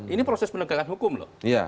ini proses penegakan hukum loh